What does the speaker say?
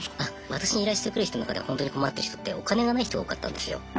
私に依頼してくる人の中でホントに困ってる人ってお金がない人が多かったんですよ。